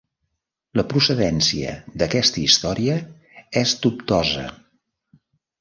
La procedència d'aquesta història és dubtosa.